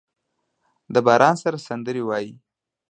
د باران سره سندرې وايي